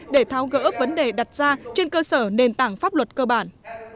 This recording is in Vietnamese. để tháo gỡ vấn đề đặt ra trên cơ sở nền tảng pháp luật cơ bản